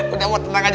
udah mak tenang aja